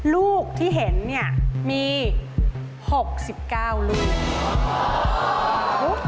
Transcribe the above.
ลูกที่เห็นมี๖๙ลูก